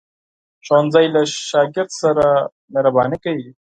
ښوونځی له شاګرد سره مهرباني کوي